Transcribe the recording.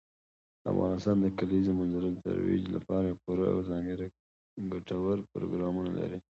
افغانستان د کلیزو منظره د ترویج لپاره پوره او ځانګړي ګټور پروګرامونه لري.